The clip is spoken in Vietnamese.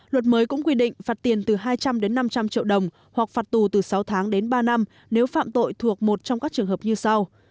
luật mới cũng quy định phạt tiền từ hai trăm linh đến năm trăm linh triệu đồng hoặc phạt tù từ sáu tháng đến ba năm nếu phạm tội thuộc một trong các trường hợp như sau